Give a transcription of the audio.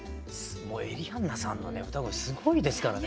エリアンナさんの歌声すごいですからね。